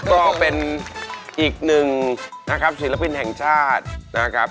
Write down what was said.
ก็เป็นอีกหนึ่งนะครับศิลปินแห่งชาตินะครับ